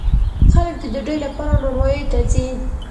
خلک د ډوډۍ لپاره نانواییو ته ځي.